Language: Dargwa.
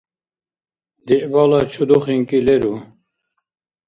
Диъбала чуду-хинкӀи леру?